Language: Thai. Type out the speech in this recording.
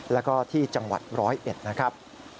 แล้วก็ที่จังหวัดร้อยเอ็ดนะครับ